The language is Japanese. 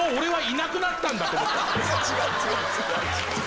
違う違う！